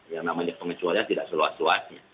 yang namanya pengecualian tidak seluas luasnya